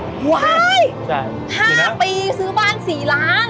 ๕ปีซื้อบ้าน๔ล้าน